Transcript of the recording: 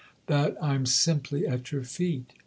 " That I'm simply at your feet.